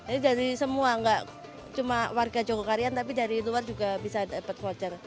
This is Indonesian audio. ini dari semua nggak cuma warga jogokarian tapi dari luar juga bisa dapat voucher